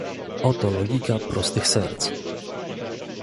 "„Oto logika prostych serc!"